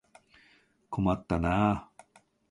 困ったなあ。